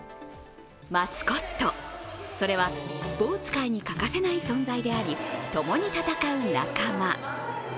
マスコット、それはスポーツ界に欠かせない存在であり共に戦う仲間。